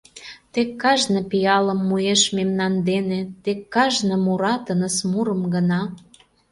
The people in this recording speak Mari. Тек кажне пиалым муэш мемнан дене, Тек кажне мура тыныс мурым гына!